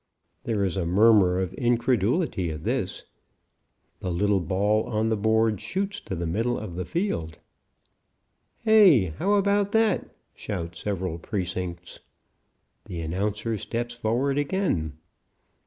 There is a murmur of incredulity at this. The little ball on the board shoots to the middle of the field. "Hey, how about that?" shout several precincts. The announcer steps forward again.